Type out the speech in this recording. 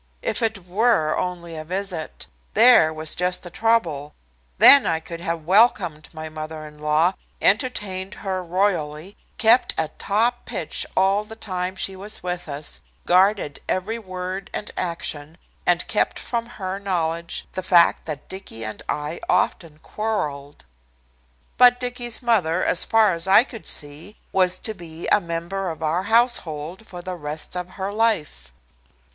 If it were only a visit! There was just the trouble. Then I could have welcomed my mother in law, entertained her royally, kept at top pitch all the time she was with us, guarded every word and action, and kept from her knowledge the fact that Dicky and I often quarrelled. But Dicky's mother, as far as I could see, was to be a member of our household for the rest of her life.